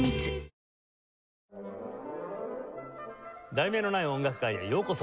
『題名のない音楽会』へようこそ。